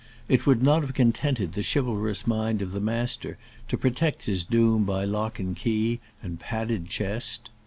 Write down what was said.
It would not have contented the chivalrous mind of the master to protect his doom by lock and key and padded chest.